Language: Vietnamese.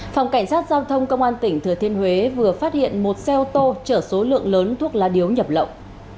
phòng cảnh sát giao thông công an tỉnh thừa thiên huế vừa phát hiện một xe ô tô chở số lượng lớn thuốc lá điếu nhập lậu